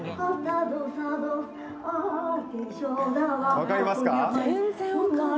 分かりますか？